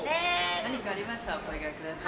何かありましたらお声掛けください。